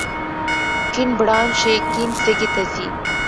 کیڼ برانش یې کیڼ سږي ته ځي.